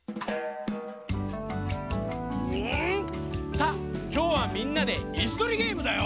さあきょうはみんなでいすとりゲームだよ。